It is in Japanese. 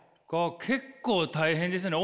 結構大変ですよね。